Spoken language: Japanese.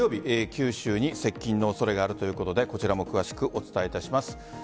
九州に接近の恐れがあるということでこちらも詳しくお伝えします。